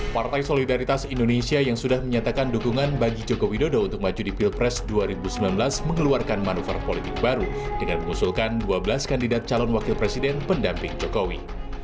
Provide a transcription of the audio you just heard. partai solidaritas indonesia yang sudah menyatakan dukungan bagi jokowi dodo untuk maju di pilpres dua ribu sembilan belas mengeluarkan manuver politik baru dengan mengusulkan dua belas kandidat calon wakil presiden pendamping jokowi